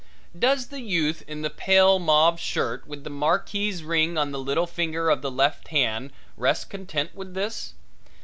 Does the youth in the pale mauve shirt with the marquise ring on the little finger of the left hand rest content with this?